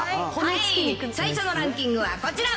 最初のランキングはこちら。